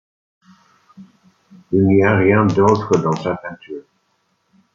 Il n'y a rien d'autre dans sa peinture.